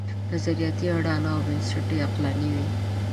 نظریاتي اډانه او بنسټ یې عقلاني وي.